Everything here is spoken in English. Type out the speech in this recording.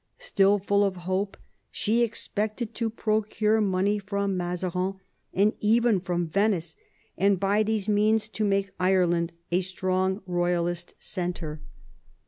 Still full of hope, she expected to procure money from Mazarin, and even from Venice, and by these means to make Ireland a strong Eoyalist centre.